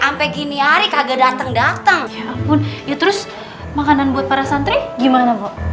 minyari kagak dateng dateng ya ampun ya terus makanan buat para santri gimana